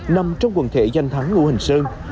nằm trong quần thể danh thắng ngũ hành sơn